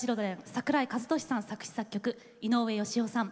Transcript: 桜井和寿さん作詞作曲井上芳雄さん